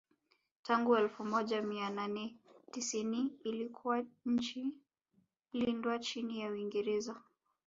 Tangu elfu moja mia nane tisini ilikuwa nchi lindwa chini ya Uingereza